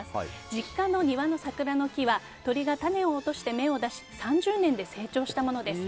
実家の庭の桜の木は鳥が種を落として芽を出し３０年で成長したものです。